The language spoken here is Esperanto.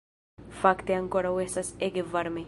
Fakte, ankoraŭ estas ege varme